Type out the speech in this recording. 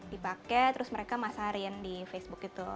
dipakai terus mereka masarin di facebook itu